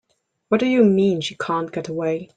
What do you mean she can't get away?